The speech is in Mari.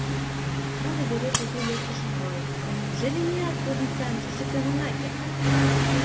— Моло вере кугу лектышым налыт, да неужели меат тудым сайын шочыктен она керт?